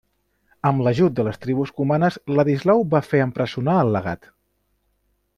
Amb l'ajut de les tribus cumanes, Ladislau va fer empresonar el legat.